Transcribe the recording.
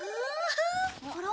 あら？